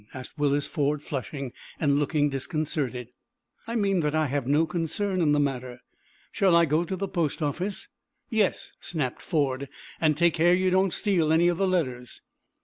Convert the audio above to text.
asked Willis Ford, flushing, and looking disconcerted. "I mean that I have no concern in the matter. Shall I go to the post office?" "Yes," snapped Ford, "and take care you don't steal any of the letters."